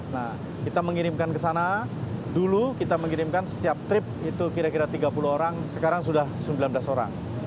nah kita mengirimkan ke sana dulu kita mengirimkan setiap trip itu kira kira tiga puluh orang sekarang sudah sembilan belas orang